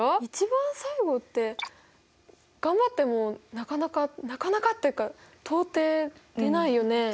一番最後って頑張ってもなかなかなかなかっていうか到底出ないよね？